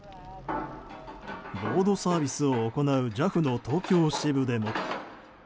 ロードサービスを行うＪＡＦの東京支部でも。